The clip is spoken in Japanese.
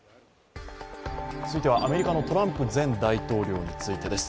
続いては、アメリカのトランプ前大統領についてです。